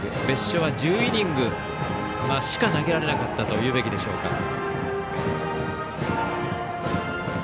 別所は１０イニングしか投げられなかったと言うべきでしょうか。